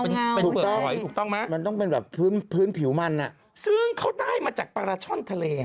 เป็นภูหอยถูกต้องไหมมันต้องเป็นแบบพื้นพื้นผิวมันอ่ะซึ่งเขาได้มาจากปลาช่อนทะเล